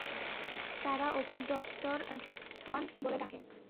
তারা ওকে doctor Anderson বলে ডাকে।